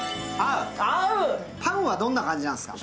パンはどんな感じなんですか？